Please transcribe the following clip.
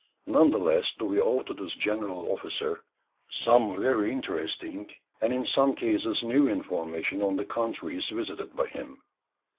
None the less do we owe to this general officer some very interesting, and in some cases new information on the countries visited by him.